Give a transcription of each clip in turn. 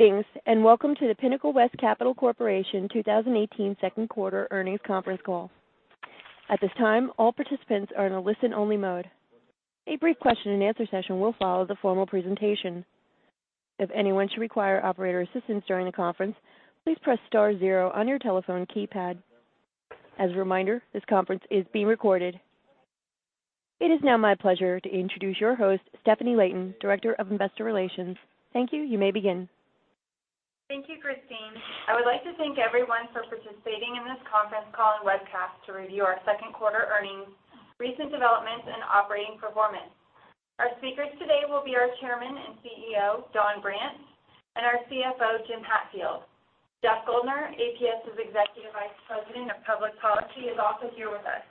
Greetings, welcome to the Pinnacle West Capital Corporation 2018 second quarter earnings conference call. At this time, all participants are in a listen-only mode. A brief question-and-answer session will follow the formal presentation. If anyone should require operator assistance during the conference, please press star zero on your telephone keypad. As a reminder, this conference is being recorded. It is now my pleasure to introduce your host, Stefanie Layton, Director of Investor Relations. Thank you. You may begin. Thank you, Christine. I would like to thank everyone for participating in this conference call and webcast to review our second quarter earnings, recent developments, and operating performance. Our speakers today will be our Chairman and CEO, Don Brandt, and our CFO, Jim Hatfield. Jeff Guldner, APS's Executive Vice President of Public Policy, is also here with us.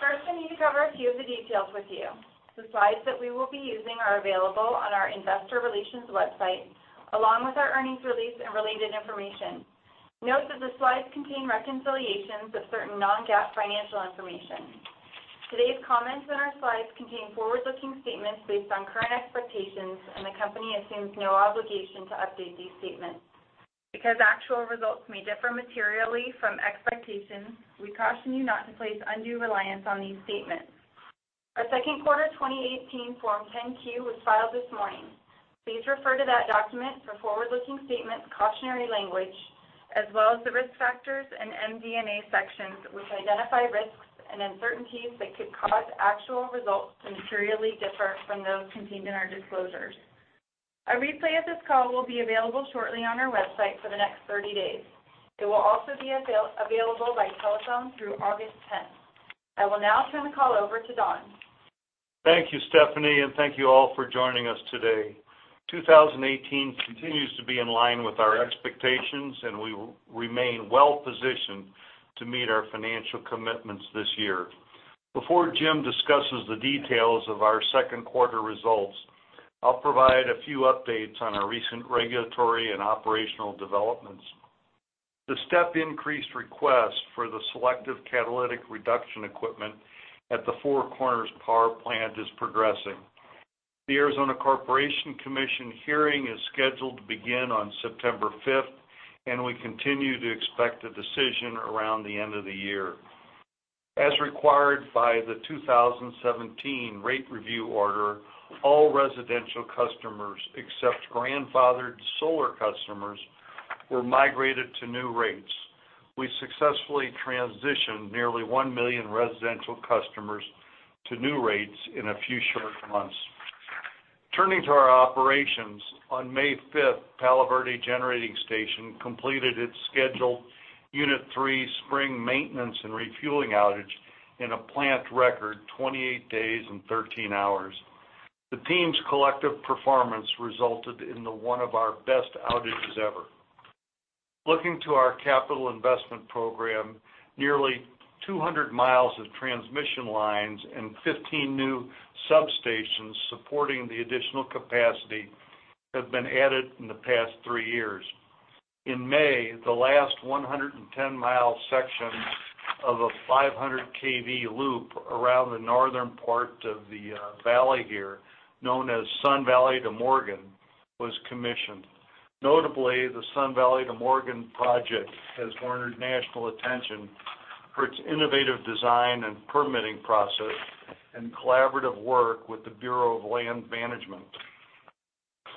First, I need to cover a few of the details with you. The slides that we will be using are available on our investor relations website, along with our earnings release and related information. Note that the slides contain reconciliations of certain non-GAAP financial information. Today's comments and our slides contain forward-looking statements based on current expectations, and the company assumes no obligation to update these statements. Actual results may differ materially from expectations, we caution you not to place undue reliance on these statements. Our second quarter 2018 Form 10-Q was filed this morning. Please refer to that document for forward-looking statement cautionary language, as well as the Risk Factors and MD&A sections, which identify risks and uncertainties that could cause actual results to materially differ from those contained in our disclosures. A replay of this call will be available shortly on our website for the next 30 days. It will also be available by telephone through August 10th. I will now turn the call over to Don. Thank you, Stefanie, and thank you all for joining us today. 2018 continues to be in line with our expectations, and we remain well-positioned to meet our financial commitments this year. Before Jim discusses the details of our second quarter results, I'll provide a few updates on our recent regulatory and operational developments. The step increase request for the selective catalytic reduction equipment at the Four Corners Power Plant is progressing. The Arizona Corporation Commission hearing is scheduled to begin on September fifth, and we continue to expect a decision around the end of the year. As required by the 2017 rate review order, all residential customers, except grandfathered solar customers, were migrated to new rates. We successfully transitioned nearly 1 million residential customers to new rates in a few short months. Turning to our operations, on May fifth, Palo Verde Generating Station completed its scheduled unit three spring maintenance and refueling outage in a plant-record 28 days and 13 hours. The team's collective performance resulted in the one of our best outages ever. Looking to our capital investment program, nearly 200 miles of transmission lines and 15 new substations supporting the additional capacity have been added in the past three years. In May, the last 110-mile section of a 500 kV loop around the northern part of the valley here, known as Sun Valley to Morgan, was commissioned. Notably, the Sun Valley to Morgan project has garnered national attention for its innovative design and permitting process and collaborative work with the Bureau of Land Management.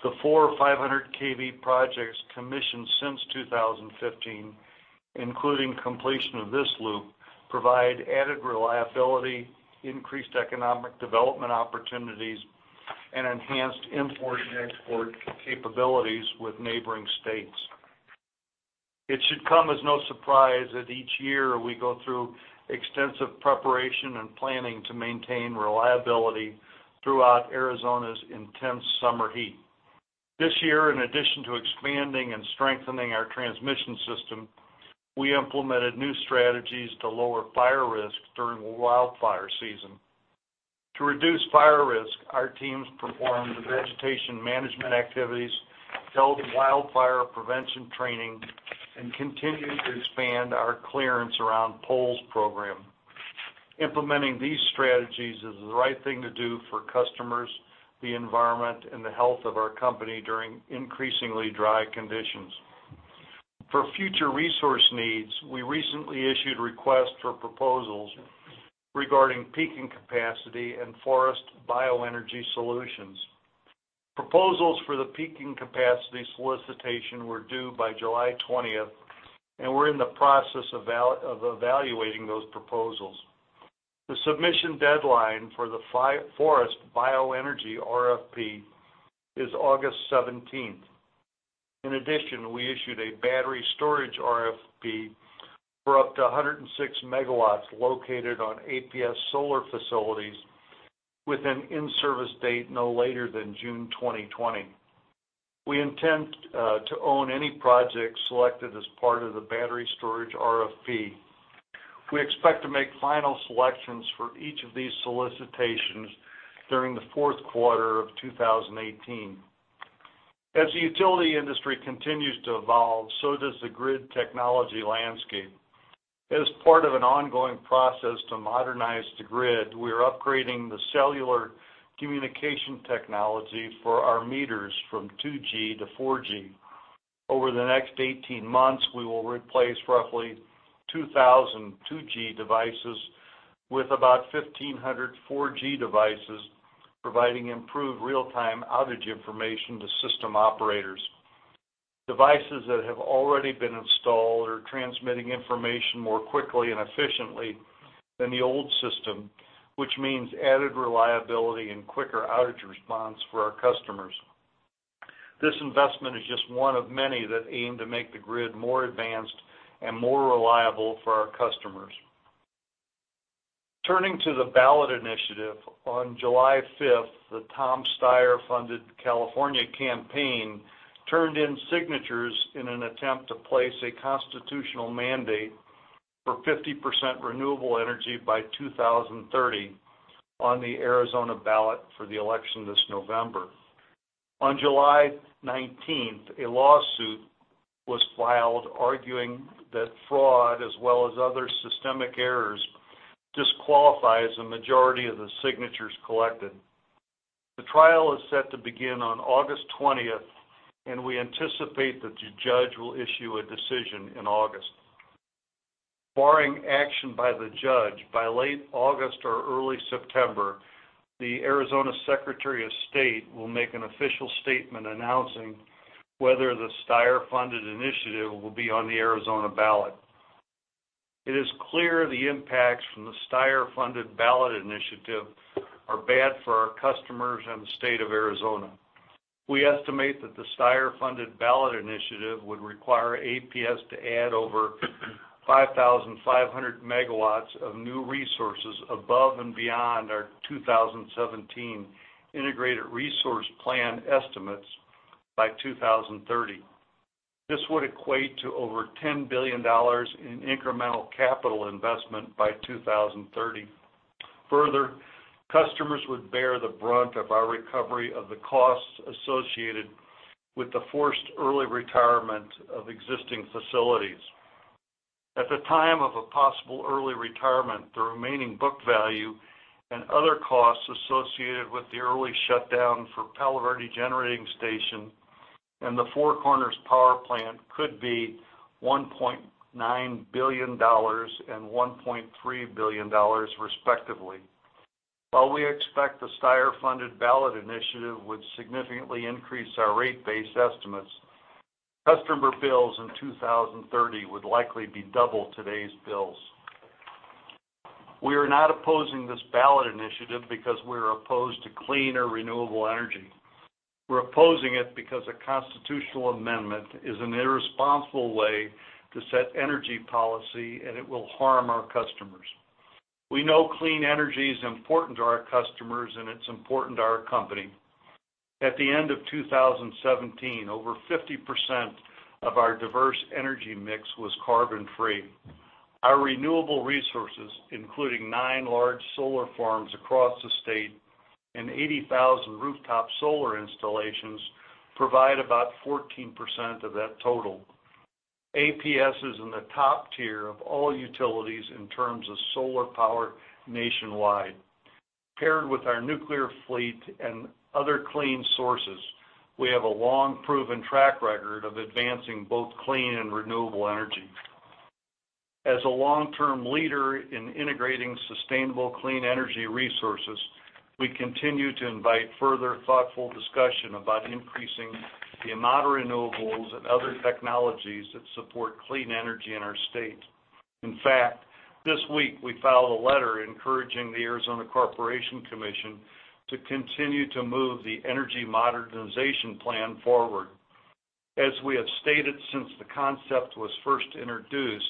The four 500 kV projects commissioned since 2015, including completion of this loop, provide added reliability, increased economic development opportunities, and enhanced import and export capabilities with neighboring states. It should come as no surprise that each year we go through extensive preparation and planning to maintain reliability throughout Arizona's intense summer heat. This year, in addition to expanding and strengthening our transmission system, we implemented new strategies to lower fire risk during wildfire season. To reduce fire risk, our teams performed vegetation management activities, held wildfire prevention training, and continued to expand our clearance around poles program. Implementing these strategies is the right thing to do for customers, the environment, and the health of our company during increasingly dry conditions. For future resource needs, we recently issued requests for proposals regarding peaking capacity and forest bioenergy solutions. Proposals for the peaking capacity solicitation were due by July 20th. We're in the process of evaluating those proposals. The submission deadline for the forest bioenergy RFP is August 17th. In addition, we issued a battery storage RFP for up to 106 megawatts located on APS solar facilities with an in-service date no later than June 2020. We intend to own any projects selected as part of the battery storage RFP. We expect to make final selections for each of these solicitations during the fourth quarter of 2018. As the utility industry continues to evolve, so does the grid technology landscape. As part of an ongoing process to modernize the grid, we are upgrading the cellular communication technology for our meters from 2G to 4G. Over the next 18 months, we will replace roughly 2,000 2G devices with about 1,500 4G devices, providing improved real-time outage information to system operators. Devices that have already been installed are transmitting information more quickly and efficiently than the old system, which means added reliability and quicker outage response for our customers. This investment is just one of many that aim to make the grid more advanced and more reliable for our customers. Turning to the ballot initiative, on July 5th, the Tom Steyer-funded California campaign turned in signatures in an attempt to place a constitutional mandate for 50% renewable energy by 2030 on the Arizona ballot for the election this November. On July 19th, a lawsuit was filed arguing that fraud, as well as other systemic errors, disqualifies the majority of the signatures collected. The trial is set to begin on August 20th, and we anticipate that the judge will issue a decision in August. Barring action by the judge, by late August or early September, the Arizona Secretary of State will make an official statement announcing whether the Steyer-funded initiative will be on the Arizona ballot. It is clear the impacts from the Steyer-funded ballot initiative are bad for our customers and the state of Arizona. We estimate that the Steyer-funded ballot initiative would require APS to add over 5,500 megawatts of new resources above and beyond our 2017 integrated resource plan estimates by 2030. This would equate to over $10 billion in incremental capital investment by 2030. Further, customers would bear the brunt of our recovery of the costs associated with the forced early retirement of existing facilities. At the time of a possible early retirement, the remaining book value and other costs associated with the early shutdown for Palo Verde Generating Station and the Four Corners Power Plant could be $1.9 billion and $1.3 billion, respectively. While we expect the Steyer-funded ballot initiative would significantly increase our rate base estimates, customer bills in 2030 would likely be double today's bills. We are not opposing this ballot initiative because we're opposed to clean or renewable energy. We're opposing it because a constitutional amendment is an irresponsible way to set energy policy, and it will harm our customers. We know clean energy is important to our customers, and it's important to our company. At the end of 2017, over 50% of our diverse energy mix was carbon-free. Our renewable resources, including nine large solar farms across the state and 80,000 rooftop solar installations, provide about 14% of that total. APS is in the top tier of all utilities in terms of solar power nationwide. Paired with our nuclear fleet and other clean sources, we have a long-proven track record of advancing both clean and renewable energy. As a long-term leader in integrating sustainable clean energy resources, we continue to invite further thoughtful discussion about increasing the amount of renewables and other technologies that support clean energy in our state. In fact, this week we filed a letter encouraging the Arizona Corporation Commission to continue to move the Energy Modernization Plan forward. As we have stated since the concept was first introduced,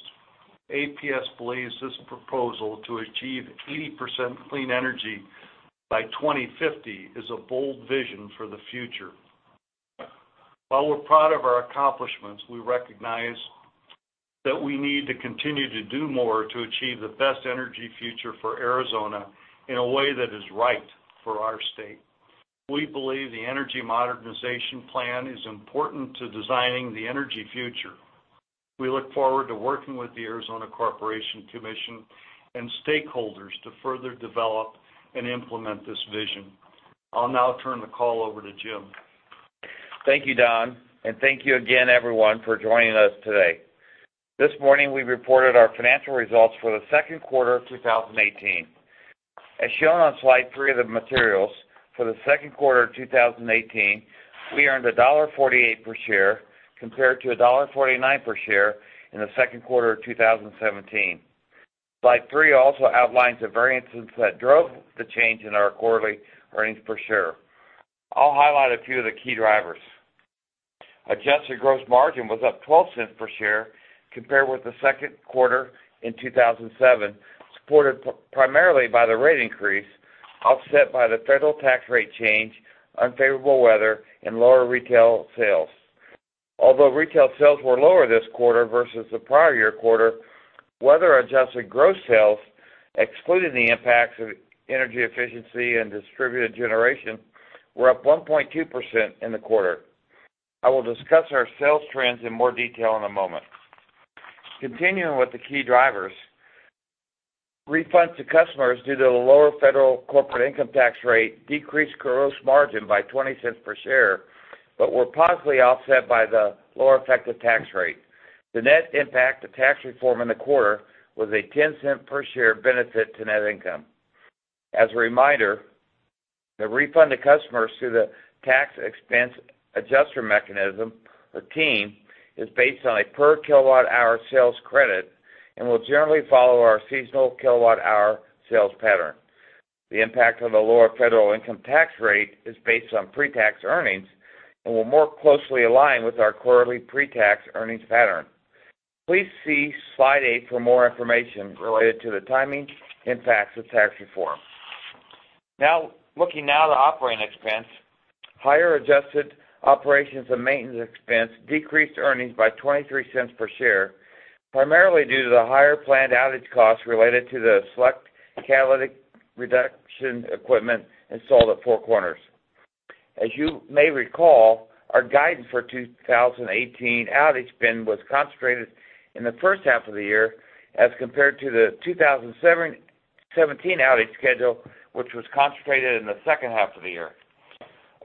APS believes this proposal to achieve 80% clean energy by 2050 is a bold vision for the future. While we're proud of our accomplishments, we recognize that we need to continue to do more to achieve the best energy future for Arizona in a way that is right for our state. We believe the Energy Modernization Plan is important to designing the energy future. We look forward to working with the Arizona Corporation Commission and stakeholders to further develop and implement this vision. I'll now turn the call over to Jim. Thank you, Don, and thank you again, everyone, for joining us today. This morning, we reported our financial results for the second quarter of 2018. As shown on slide three of the materials, for the second quarter of 2018, we earned $1.48 per share, compared to $1.49 per share in the second quarter of 2017. Slide three also outlines the variances that drove the change in our quarterly earnings per share. I will highlight a few of the key drivers. Adjusted gross margin was up $0.12 per share compared with the second quarter in 2017, supported primarily by the rate increase, offset by the federal tax rate change, unfavorable weather, and lower retail sales. Although retail sales were lower this quarter versus the prior year quarter, weather-adjusted gross sales, excluding the impacts of energy efficiency and distributed generation, were up 1.2% in the quarter. I will discuss our sales trends in more detail in a moment. Continuing with the key drivers, refunds to customers due to the lower federal corporate income tax rate decreased gross margin by $0.20 per share, but were positively offset by the lower effective tax rate. The net impact of tax reform in the quarter was a $0.10 per share benefit to net income. As a reminder, the refund to customers through the tax expense adjuster mechanism, or TEAM, is based on a per kilowatt-hour sales credit and will generally follow our seasonal kilowatt-hour sales pattern. The impact on the lower federal income tax rate is based on pre-tax earnings and will more closely align with our quarterly pre-tax earnings pattern. Please see slide eight for more information related to the timing impacts of tax reform. Looking now to operating expense, higher adjusted operations and maintenance expense decreased earnings by $0.23 per share, primarily due to the higher planned outage costs related to the selective catalytic reduction equipment installed at Four Corners. As you may recall, our guidance for 2018 outage spend was concentrated in the first half of the year as compared to the 2017 outage schedule, which was concentrated in the second half of the year.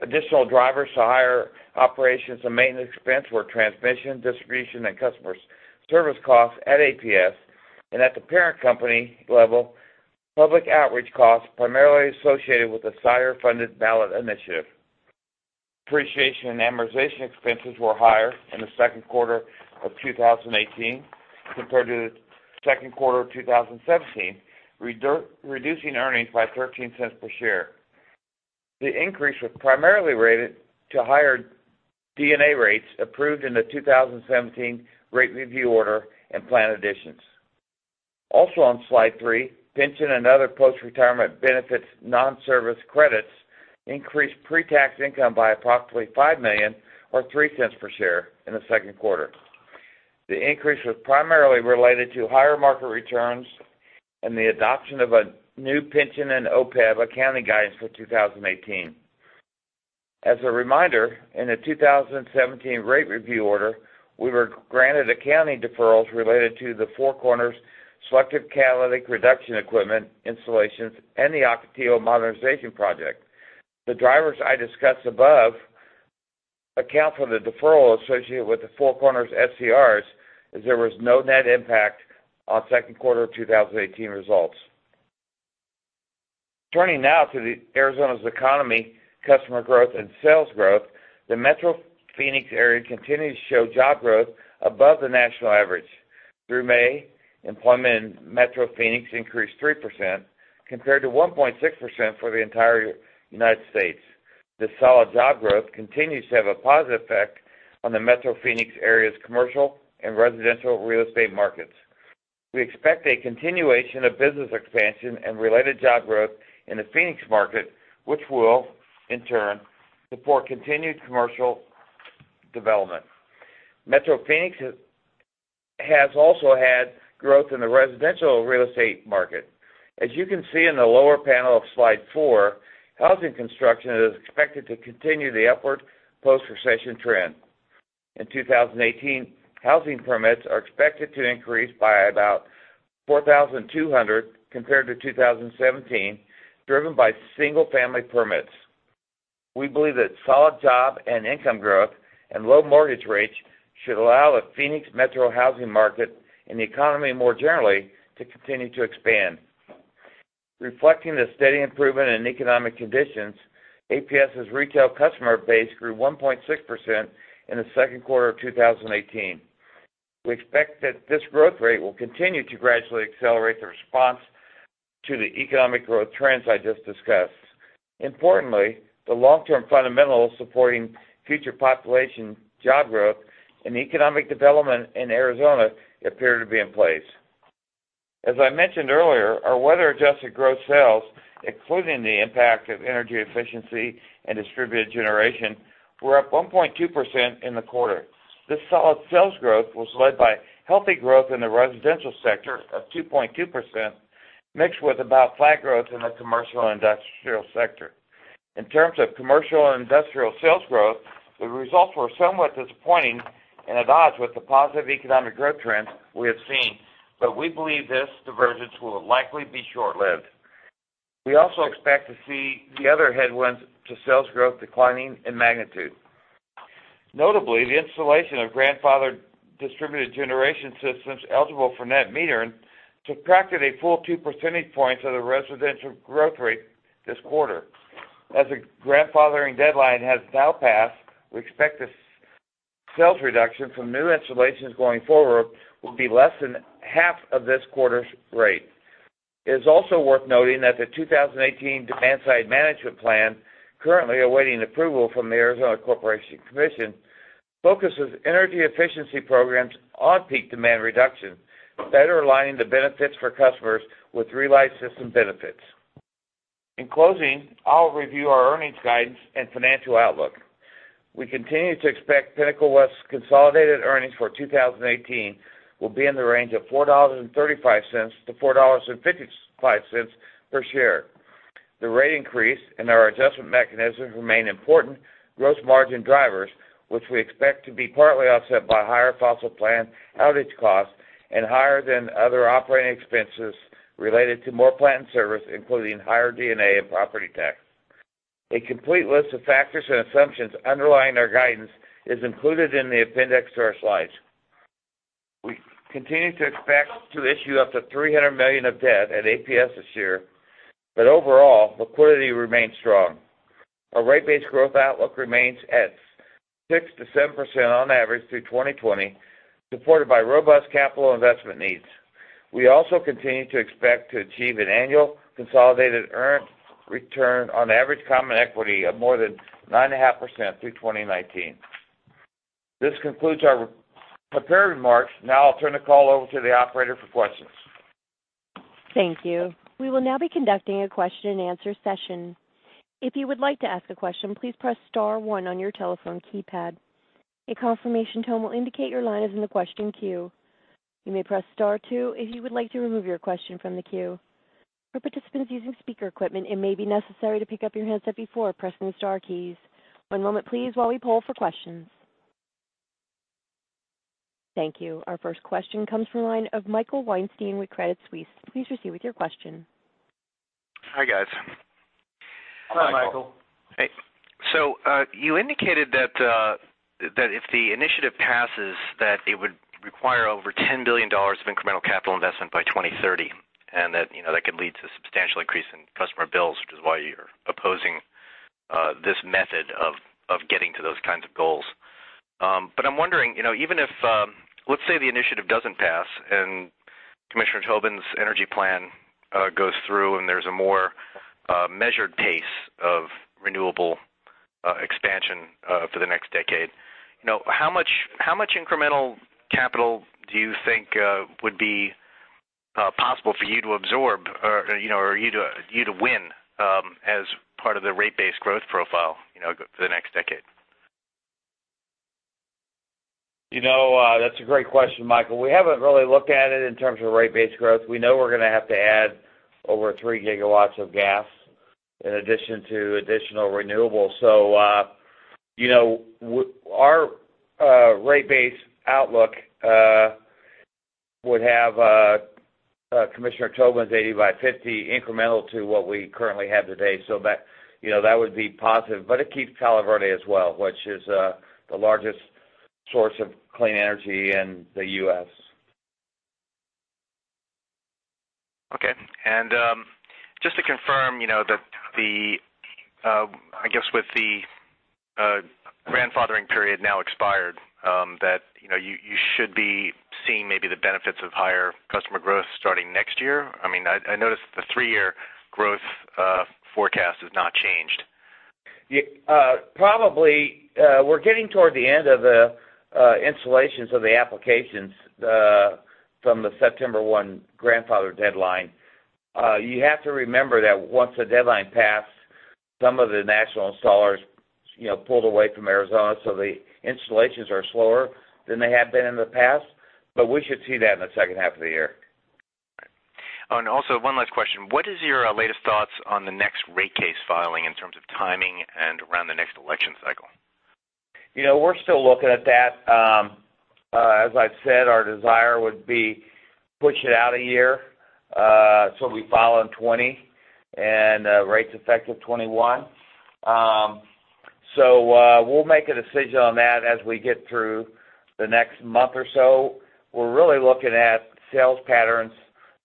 Additional drivers to higher operations and maintenance expense were transmission, distribution, and customer service costs at APS and at the parent company level, public outreach costs primarily associated with the Steyer-funded ballot initiative. Depreciation and amortization expenses were higher in the second quarter of 2018 compared to the second quarter of 2017, reducing earnings by $0.13 per share. The increase was primarily related to higher D&A rates approved in the 2017 rate review order and planned additions. Also on slide three, pension and other post-retirement benefits non-service credits increased pre-tax income by approximately $5 million or $0.03 per share in the second quarter. The increase was primarily related to higher market returns and the adoption of a new pension and OPEB accounting guidance for 2018. As a reminder, in the 2017 rate review order, we were granted accounting deferrals related to the Four Corners selective catalytic reduction equipment installations and the Ocotillo modernization project. The drivers I discussed above account for the deferral associated with the Four Corners SCRs, as there was no net impact on second quarter of 2018 results. Turning now to Arizona's economy customer growth and sales growth, the metro Phoenix area continues to show job growth above the national average. Through May, employment in metro Phoenix increased 3% compared to 1.6% for the entire U.S. This solid job growth continues to have a positive effect on the metro Phoenix area's commercial and residential real estate markets. We expect a continuation of business expansion and related job growth in the Phoenix market, which will in turn support continued commercial development. Metro Phoenix has also had growth in the residential real estate market. As you can see in the lower panel of slide four, housing construction is expected to continue the upward post-recession trend. In 2018, housing permits are expected to increase by about 4,200 compared to 2017, driven by single-family permits. We believe that solid job and income growth and low mortgage rates should allow the Phoenix metro housing market and the economy more generally to continue to expand. Reflecting the steady improvement in economic conditions, APS's retail customer base grew 1.6% in the second quarter of 2018. We expect that this growth rate will continue to gradually accelerate the response to the economic growth trends I just discussed. Importantly, the long-term fundamentals supporting future population job growth and economic development in Arizona appear to be in place. As I mentioned earlier, our weather-adjusted growth sales, including the impact of energy efficiency and distributed generation, were up 1.2% in the quarter. This solid sales growth was led by healthy growth in the residential sector of 2.2%, mixed with about flat growth in the commercial and industrial sector. In terms of commercial and industrial sales growth, the results were somewhat disappointing and at odds with the positive economic growth trends we have seen, we believe this divergence will likely be short-lived. We also expect to see the other headwinds to sales growth declining in magnitude. Notably, the installation of grandfathered distributed generation systems eligible for net metering subtracted a full two percentage points of the residential growth rate this quarter. As the grandfathering deadline has now passed, we expect the sales reduction from new installations going forward will be less than half of this quarter's rate. It is also worth noting that the 2018 Demand-Side Management Plan, currently awaiting approval from the Arizona Corporation Commission, focuses energy efficiency programs on peak demand reduction, better aligning the benefits for customers with relized system benefits. In closing, I'll review our earnings guidance and financial outlook. We continue to expect Pinnacle West's consolidated earnings for 2018 will be in the range of $4.35-$4.55 per share. The rate increase and our adjustment mechanisms remain important gross margin drivers, which we expect to be partly offset by higher fossil plant outage costs and higher than other operating expenses related to more plant and service, including higher D&A and property tax. A complete list of factors and assumptions underlying our guidance is included in the appendix to our slides. We continue to expect to issue up to $300 million of debt at APS this year, overall, liquidity remains strong. Our rate base growth outlook remains at 6%-7% on average through 2020, supported by robust capital investment needs. We also continue to expect to achieve an annual consolidated earned return on average common equity of more than 9.5% through 2019. This concludes our prepared remarks. I'll turn the call over to the operator for questions. Thank you. We will now be conducting a question-and-answer session. If you would like to ask a question, please press star one on your telephone keypad. A confirmation tone will indicate your line is in the question queue. You may press star two if you would like to remove your question from the queue. For participants using speaker equipment, it may be necessary to pick up your handset before pressing the star keys. One moment please, while we poll for questions. Thank you. Our first question comes from the line of Michael Weinstein with Credit Suisse. Please proceed with your question. Hi, guys. Hi, Michael. Hey. You indicated that if the initiative passes, that it would require over $10 billion of incremental capital investment by 2030, and that could lead to a substantial increase in customer bills, which is why you're opposing this method of getting to those kinds of goals. I'm wondering, let's say the initiative doesn't pass and Commissioner Tobin's energy plan goes through, and there's a more measured pace of renewable expansion for the next decade. How much incremental capital do you think would be possible for you to absorb or you to win as part of the rate base growth profile for the next decade? That's a great question, Michael Weinstein. We haven't really looked at it in terms of rate base growth. We know we're going to have to add over three gigawatts of gas in addition to additional renewables. Our rate base outlook would have Commissioner Tobin's 80 by 50 incremental to what we currently have today. That would be positive, but it keeps Palo Verde as well, which is the largest source of clean energy in the U.S. Okay. Just to confirm, I guess with the grandfathering period now expired, that you should be seeing maybe the benefits of higher customer growth starting next year? I noticed the three-year growth forecast has not changed. Probably. We're getting toward the end of the installations of the applications from the September one grandfather deadline. You have to remember that once the deadline passed, some of the national installers pulled away from Arizona, the installations are slower than they have been in the past, we should see that in the second half of the year. Right. Also one last question. What is your latest thoughts on the next rate case filing in terms of timing and around the next election cycle? We're still looking at that. As I've said, our desire would be push it out a year, so we file in 2020, and rates effective 2021. We'll make a decision on that as we get through the next month or so. We're really looking at sales patterns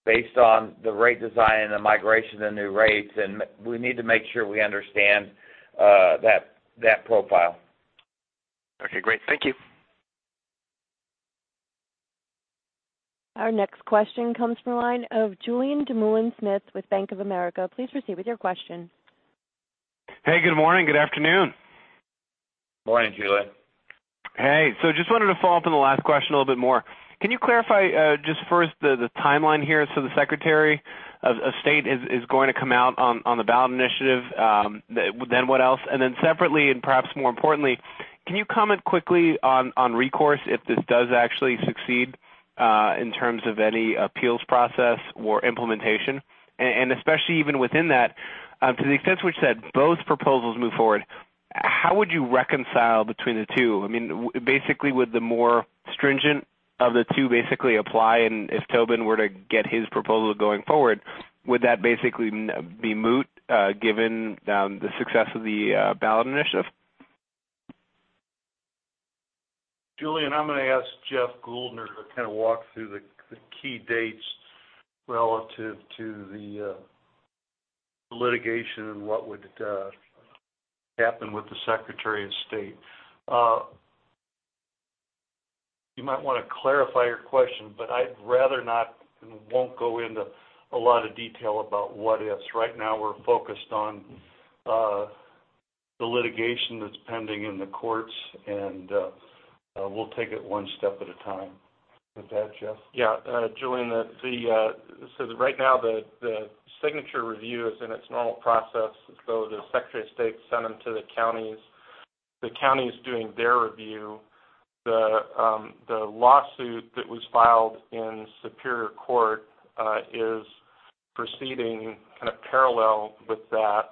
based on the rate design and the migration to new rates, and we need to make sure we understand that profile. Okay, great. Thank you. Our next question comes from the line of Julien Dumoulin-Smith with Bank of America. Please proceed with your question. Hey, good morning. Good afternoon. Morning, Julien. Hey. Just wanted to follow up on the last question a little bit more. Can you clarify just first the timeline here? The Secretary of State is going to come out on the ballot initiative, then what else? Separately, and perhaps more importantly, can you comment quickly on recourse if this does actually succeed in terms of any appeals process or implementation? Especially even within that, to the extent to which that both proposals move forward, how would you reconcile between the two? Basically would the more stringent of the two basically apply? If Tobin were to get his proposal going forward, would that basically be moot given the success of the ballot initiative? Julien, I'm going to ask Jeff Guldner to walk through the key dates relative to the litigation and what would happen with the Secretary of State. You might want to clarify your question, but I'd rather not and won't go into a lot of detail about what-ifs. Right now, we're focused on the litigation that's pending in the courts, and we'll take it one step at a time. With that, Jeff? Yeah. Julien, right now, the signature review is in its normal process. The Secretary of State sent them to the counties. The county is doing their review. The lawsuit that was filed in Superior Court is proceeding kind of parallel with that.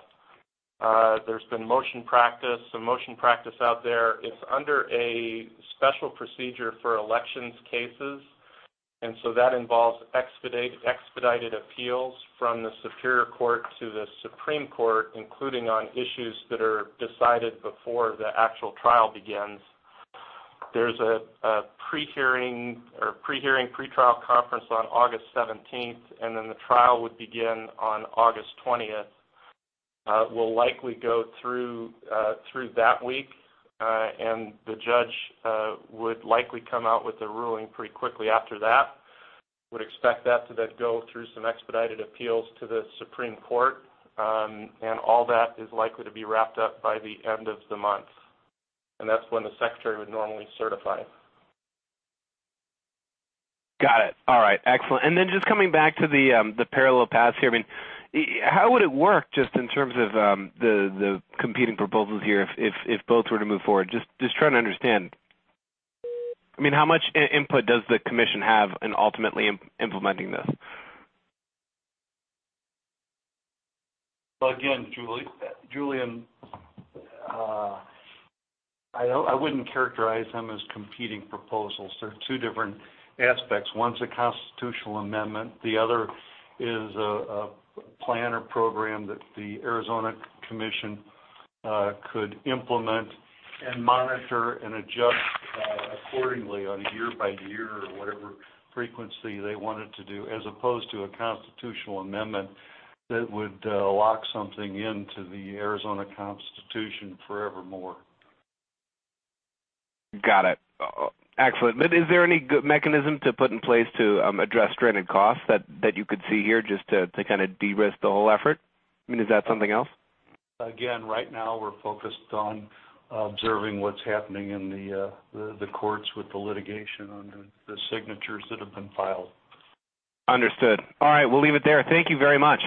There's been motion practice. Motion practice out there, it's under a special procedure for elections cases. That involves expedited appeals from the Superior Court to the Supreme Court, including on issues that are decided before the actual trial begins. There's a pre-hearing or pre-trial conference on August 17th. The trial would begin on August 20th. We'll likely go through that week. The judge would likely come out with a ruling pretty quickly after that. We would expect that to then go through some expedited appeals to the Supreme Court. All that is likely to be wrapped up by the end of the month. That is when the Secretary would normally certify. Got it. All right, excellent. Just coming back to the parallel paths here. How would it work, just in terms of the competing proposals here, if both were to move forward? Just trying to understand. How much input does the Commission have in ultimately implementing this? Well, again, Julien, I wouldn't characterize them as competing proposals. They're two different aspects. One's a constitutional amendment, the other is a plan or program that the Arizona Commission could implement and monitor and adjust accordingly on a year by year or whatever frequency they wanted to do, as opposed to a constitutional amendment that would lock something into the Arizona Constitution forevermore. Got it. Excellent. Is there any mechanism to put in place to address stranded costs that you could see here just to kind of de-risk the whole effort? Is that something else? Again, right now we're focused on observing what's happening in the courts with the litigation on the signatures that have been filed. Understood. All right, we'll leave it there. Thank you very much.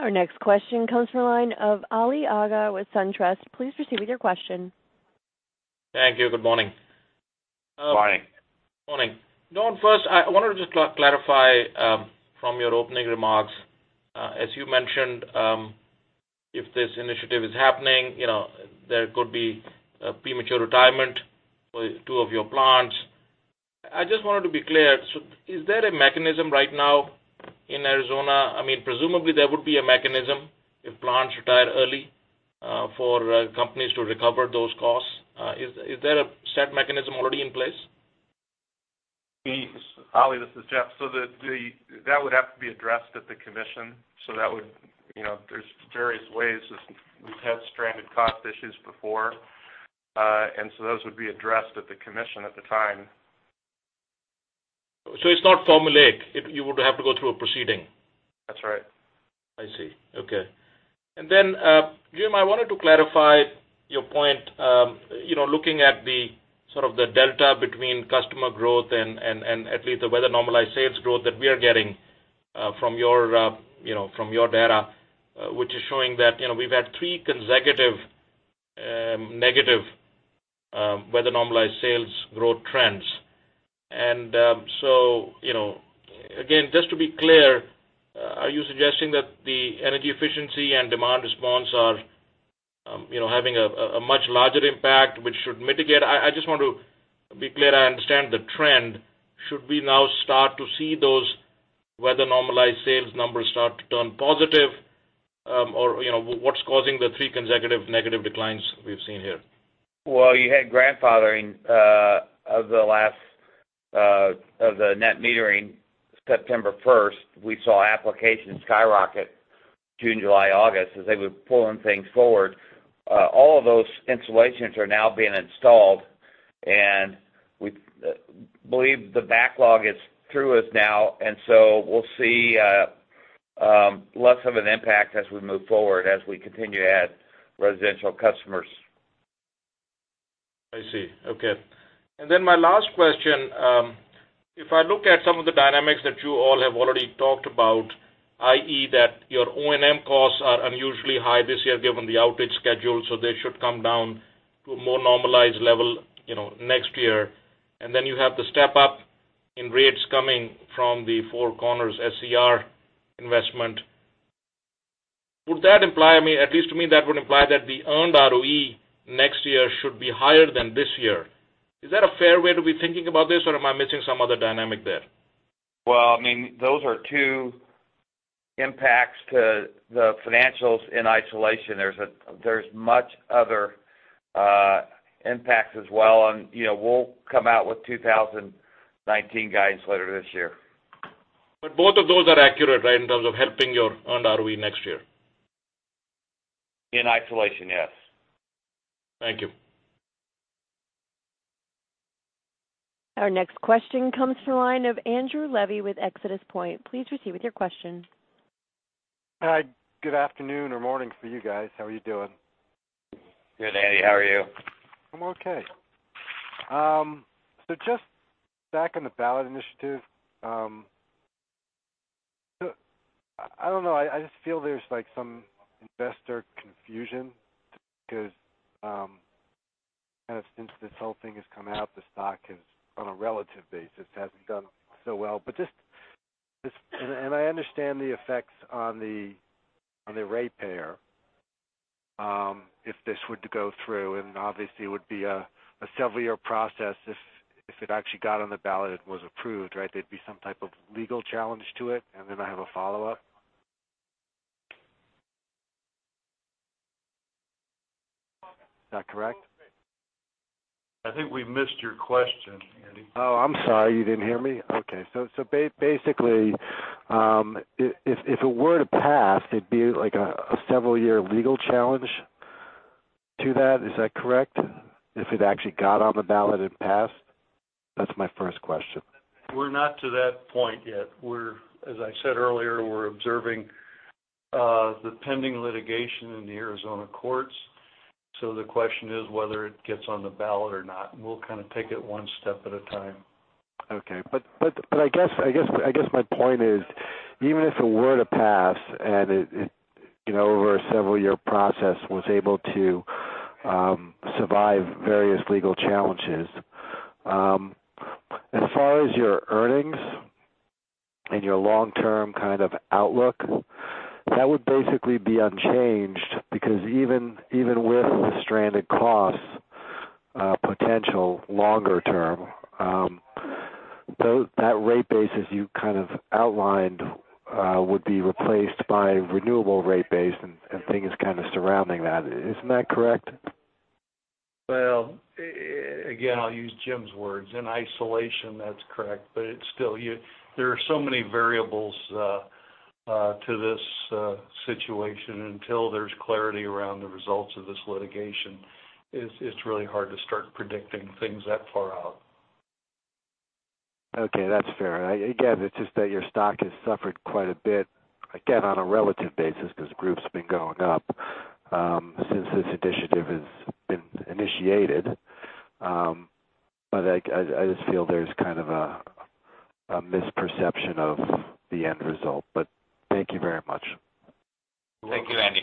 Our next question comes from the line of Ali Agha with SunTrust. Please proceed with your question. Thank you. Good morning. Morning. Morning. Don, first, I wanted to just clarify, from your opening remarks, as you mentioned, if this initiative is happening, there could be a premature retirement for two of your plants. I just wanted to be clear. Is there a mechanism right now in Arizona? Presumably there would be a mechanism if plants retired early, for companies to recover those costs. Is there a set mechanism already in place? Ali, this is Jeff. That would have to be addressed at the Commission. There's various ways, as we've had stranded cost issues before. Those would be addressed at the Commission at the time. It's not formulaic. You would have to go through a proceeding. That's right. I see. Okay. Jim, I wanted to clarify your point, looking at the sort of the delta between customer growth and at least the weather normalized sales growth that we are getting from your data, which is showing that we've had 3 consecutive negative weather normalized sales growth trends. Again, just to be clear, are you suggesting that the energy efficiency and demand response are having a much larger impact, which should mitigate? I just want to be clear, I understand the trend. Should we now start to see those weather normalized sales numbers start to turn positive? Or what's causing the 3 consecutive negative declines we've seen here? Well, you had grandfathering of the net metering September 1st. We saw applications skyrocket June, July, August, as they were pulling things forward. All of those installations are now being installed, and we believe the backlog is through us now. We'll see less of an impact as we move forward, as we continue to add residential customers. I see. Okay. My last question, if I look at some of the dynamics that you all have already talked about, i.e., that your O&M costs are unusually high this year given the outage schedule, so they should come down to a more normalized level next year. You have the step-up in rates coming from the Four Corners SCR investment. Would that imply, at least to me, that would imply that the earned ROE next year should be higher than this year. Is that a fair way to be thinking about this, or am I missing some other dynamic there? Well, those are 2 impacts to the financials in isolation. There's much other impacts as well. We'll come out with 2019 guidance later this year. both of those are accurate, right, in terms of helping your earned ROE next year? In isolation, yes. Thank you. Our next question comes from the line of Andrew Levy with Exodus Point. Please proceed with your question. Hi, good afternoon or morning for you guys. How are you doing? Good, Andy, how are you? I'm okay. Just back on the ballot initiative. I don't know. I just feel there's some investor confusion because kind of since this whole thing has come out, the stock has, on a relative basis, hasn't done so well. I understand the effects on the ratepayer if this were to go through, and obviously it would be a several-year process if it actually got on the ballot and was approved, right? There'd be some type of legal challenge to it. Then I have a follow-up. Is that correct? I think we missed your question, Andy. I'm sorry. You didn't hear me? Basically, if it were to pass, it'd be a several-year legal challenge to that. Is that correct? If it actually got on the ballot and passed? That's my first question. We're not to that point yet. As I said earlier, we're observing the pending litigation in the Arizona courts. The question is whether it gets on the ballot or not, and we'll kind of take it one step at a time. I guess my point is, even if it were to pass and it, over a several-year process, was able to survive various legal challenges, as far as your earnings and your long-term kind of outlook, that would basically be unchanged because even with the stranded costs, potential longer term, that rate base, as you kind of outlined, would be replaced by renewable rate base and things kind of surrounding that. Isn't that correct? Again, I'll use Jim's words. In isolation, that's correct. There are so many variables to this situation. Until there's clarity around the results of this litigation, it's really hard to start predicting things that far out. Okay, that's fair. Again, it's just that your stock has suffered quite a bit, again, on a relative basis, because the group's been going up since this initiative has been initiated. I just feel there's kind of a misperception of the end result. Thank you very much. Thank you, Andy.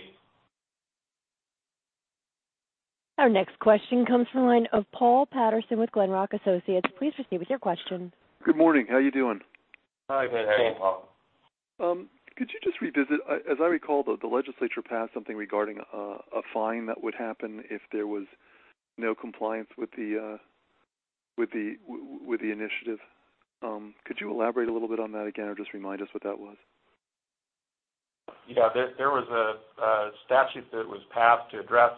Our next question comes from the line of Paul Patterson with Glenrock Associates. Please proceed with your question. Good morning. How are you doing? Hi, good. How are you, Paul? Could you just revisit, as I recall, the Legislature passed something regarding a fine that would happen if there was no compliance with the initiative. Could you elaborate a little bit on that again, or just remind us what that was? There was a statute that was passed to address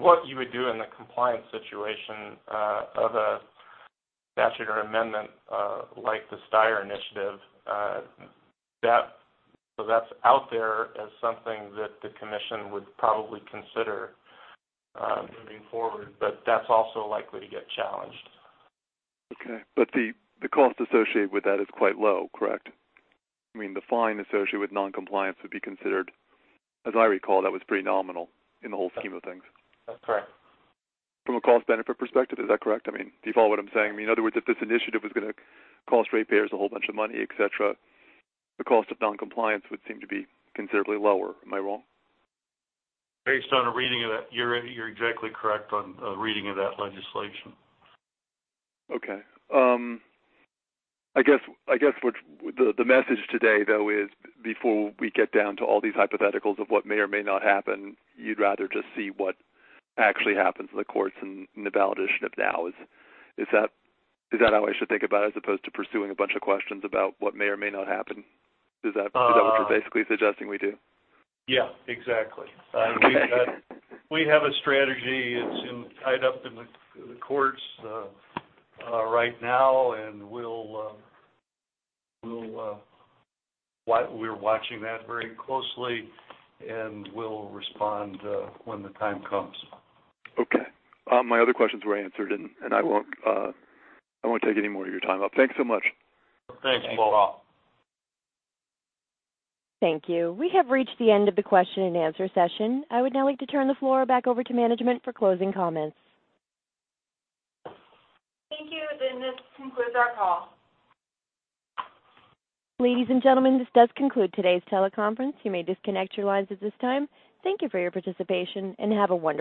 what you would do in the compliance situation of a statute or amendment like the Steyer initiative. That's out there as something that the Commission would probably consider moving forward, that's also likely to get challenged. Okay. The cost associated with that is quite low, correct? I mean, the fine associated with non-compliance would be considered, as I recall, that was pretty nominal in the whole scheme of things. That's correct. From a cost-benefit perspective, is that correct? Do you follow what I'm saying? In other words, if this initiative was going to cost ratepayers a whole bunch of money, et cetera, the cost of non-compliance would seem to be considerably lower. Am I wrong? Based on a reading of that, you're exactly correct on a reading of that legislation. Okay. I guess, the message today, though, is before we get down to all these hypotheticals of what may or may not happen, you'd rather just see what actually happens in the courts and the ballot initiative now. Is that how I should think about it, as opposed to pursuing a bunch of questions about what may or may not happen? Is that what you're basically suggesting we do? Yeah, exactly. Okay. We have a strategy. It's tied up in the courts right now, and we're watching that very closely, and we'll respond when the time comes. Okay. My other questions were answered, and I won't take any more of your time up. Thanks so much. Thanks, Paul. Thanks, Paul. Thank you. We have reached the end of the question and answer session. I would now like to turn the floor back over to management for closing comments. Thank you. This concludes our call. Ladies and gentlemen, this does conclude today's teleconference. You may disconnect your lines at this time. Thank you for your participation, and have a wonderful day.